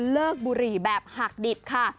เลิกบุหรี่แบบหักดิบค่ะ